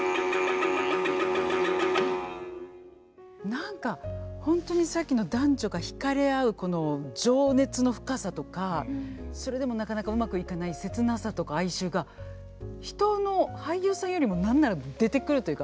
何か本当にさっきの男女が惹かれ合うこの情熱の深さとかそれでもなかなかうまくいかない切なさとか哀愁が人の俳優さんよりも何なら出てくるというか。